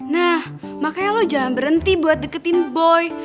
nah makanya lo jangan berhenti buat deketin boy